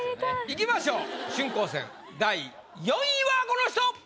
いきましょう春光戦第４位はこの人！